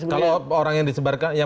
kalau orang yang